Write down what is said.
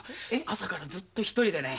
朝からずっと一人でね。